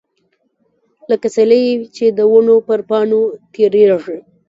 لکه سیلۍ چې د ونو پر پاڼو تیریږي.